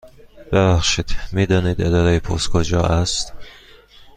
ببخشید، می دانید اداره پست کجا است؟